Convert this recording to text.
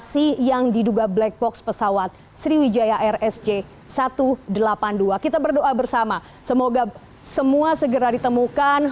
semua segera ditemukan